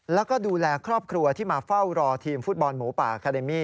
แล้วก็ดูแลครอบครัวที่มาเฝ้ารอทีมฟุตบอลหมูป่าอาคาเดมี่